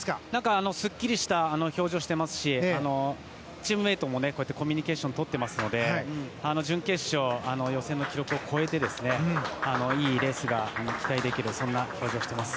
すっきりとした表情をしていますしチームメートもコミュニケーションをとっていますし準決勝は予選の記録を超えていいレースが期待できるようなそんな表情しています。